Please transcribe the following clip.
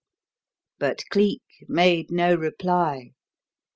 But Cleek made no reply.